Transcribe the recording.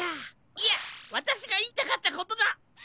いやわたしがいいたかったことだ！